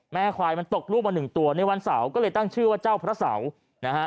แม่ควายมันตกรูปมา๑ตัวในวันเสาร์ก็เลยตั้งชื่อว่าเจ้าพระเสาร์